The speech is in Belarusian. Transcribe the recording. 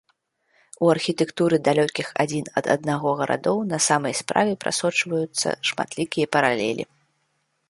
У архітэктуры далёкіх адзін ад аднаго гарадоў на самай справе прасочваюцца шматлікія паралелі.